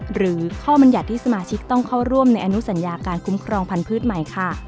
หรือข้อบรรยัติที่สมาชิกต้องเข้าร่วมในอนุสัญญาการคุ้มครองพันธุ์ใหม่ค่ะ